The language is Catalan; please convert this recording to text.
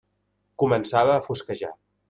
Començava a fosquejar.